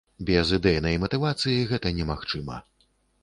Без ідэйнай матывацыі гэта немагчыма.